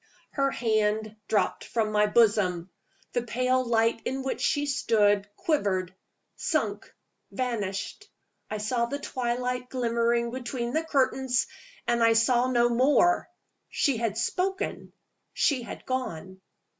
Her hand dropped from my bosom. The pale light in which she stood quivered, sunk, vanished. I saw the twilight glimmering between the curtains and I saw no more. She had spoken. She had gone.